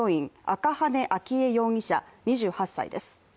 赤羽純依容疑者、２８歳です。